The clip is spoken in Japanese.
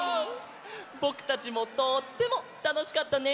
ぼくたちもとってもたのしかったね！